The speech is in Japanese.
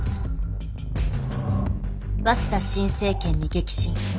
鷲田新政権に激震。